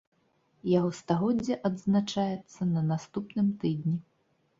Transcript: Яго стагоддзе адзначаецца на наступным тыдні.